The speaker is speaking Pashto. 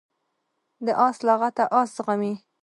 د آس لغته آس زغمي.